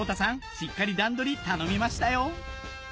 しっかり段取り頼みましたよ